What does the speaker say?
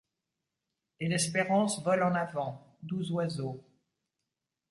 Et l'espérance vole en avant, doux oiseau :